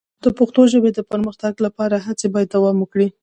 د پښتو ژبې د پرمختګ لپاره هڅې باید دوام وکړي.